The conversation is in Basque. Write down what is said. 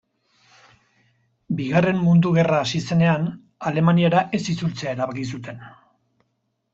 Bigarren Mundu Gerra hasi zenean, Alemaniara ez itzultzea erabaki zuen.